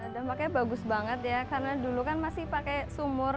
dampaknya bagus banget ya karena dulu kan masih pakai sumur